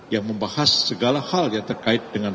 yang membahas segala hal yang terkait dengan